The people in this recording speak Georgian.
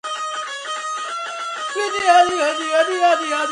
ორს დამატებული ორი უდრის ოთხს.